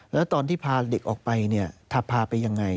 แล้วตอนที่พาเด็กออกไปเนี่ยพาไปยังไง